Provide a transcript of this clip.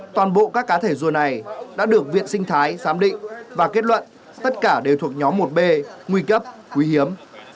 toàn bộ các cá thể rùa này đã được viện sinh thái giám định và kết luận tất cả đều thuộc nhóm một b nguy cấp quý hiếm